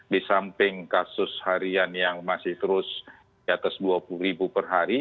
di samping kasus harian yang masih terus di atas dua puluh ribu per hari